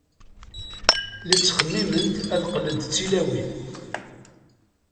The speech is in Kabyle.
La ttxemmiment ad qqlent d tiwlalin.